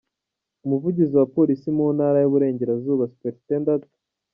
Umuvugizi wa Polisi mu ntara y’ Uburengerazuba, Supt.